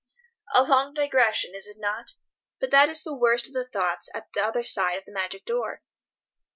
A long digression, is it not? But that is the worst of the thoughts at the other side of the Magic Door.